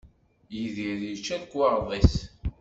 Yidir yečča lekwaɣeḍ-is.